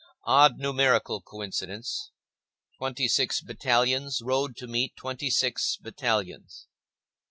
Odd numerical coincidence,—twenty six battalions rode to meet twenty six battalions.